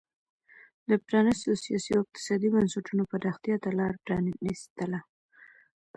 د پرانیستو سیاسي او اقتصادي بنسټونو پراختیا ته لار پرانېسته.